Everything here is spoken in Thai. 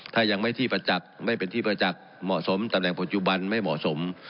ถ้ายังไม่เป็นที่ประจักษ์เหมาะสมตำแหน่งปัจจุบันไม่เหมาะสม